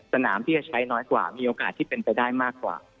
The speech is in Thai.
สนามที่จะใช้น้อยกว่ามีโอกาสที่เป็นไปได้มากกว่า